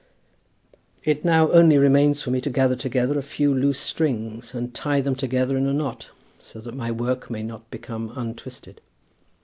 It now only remains for me to gather together a few loose strings, and tie them together in a knot, so that my work may not become untwisted.